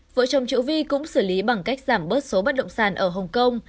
vợ chồng triệu vi cũng xử lý bằng cách giảm bớt số bất động sản ở hong kong